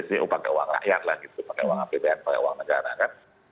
ini uang pakai uang rakyat lah gitu pakai uang apbn pakai uang negara kan